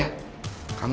kamu tiada apa apa